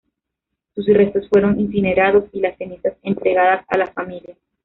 Sus restos fueron incinerados, y las cenizas entregadas a la familia.